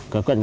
gak kuat bu